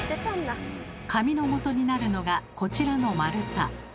紙のもとになるのがこちらの丸太。